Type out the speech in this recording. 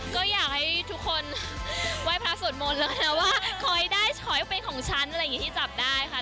ก็อยากให้ทุกคนไหว้พระสวดมนต์แล้วนะว่าขอให้ได้ขอให้เป็นของฉันอะไรอย่างนี้ที่จับได้ค่ะ